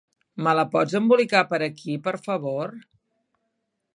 Me la pots embolicar per aquí, per favor?